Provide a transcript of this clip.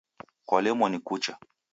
Kwalemwa ni kucha